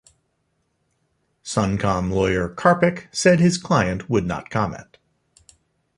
SunCom lawyer Carpick said his client would not comment.